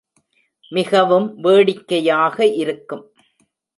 மிகவும் வேடிக்கையாக இருக்கும்.